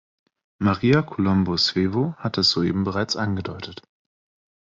Maria Colombo Svevo hat das soeben bereits angedeutet.